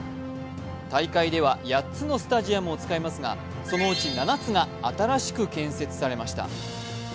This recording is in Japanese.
大会では８つのスタジアムを使いますがそのうち７つが新しく建設されました。